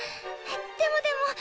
でもでもっ！